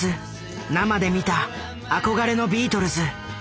生で見た憧れのビートルズ。